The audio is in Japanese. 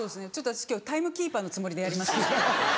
私今日タイムキーパーのつもりでやります。